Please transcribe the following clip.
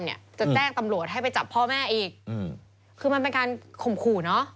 เนี่ยจะแจ้งตำรวจให้ไปจับพ่อแม่อีกอืมคือมันเป็นการข่มขู่เนอะ